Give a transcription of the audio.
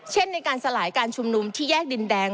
ในการสลายการชุมนุมที่แยกดินแดง